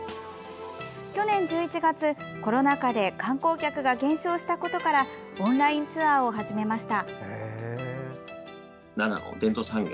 去年１１月、コロナ禍で観光客が減少したことからオンラインツアーを始めました。